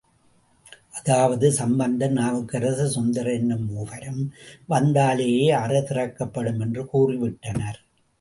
அதாவது, சம்பந்தர், நாவுக்கரசர், சுந்தரர் என்னும் மூவரும் வந்தாலேயே அறை திறக்கப்படும் என்று கூறிவிட்டனர்.